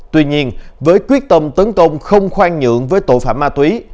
tuy nhiên với quyết tâm tấn công không khoan nhượng với tội phạm ma túy